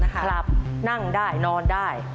หลับนั่งได้นอนได้